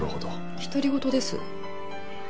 独り言です。